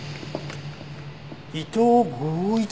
「伊藤剛一」？